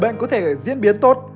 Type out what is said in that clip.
bệnh có thể diễn biến tốt